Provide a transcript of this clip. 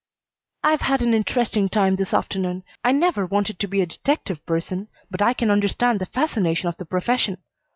"I've had an interesting time this afternoon. I never wanted to be a detective person, but I can understand the fascination of the profession.